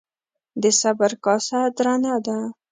د صبر کاسه درنه ده.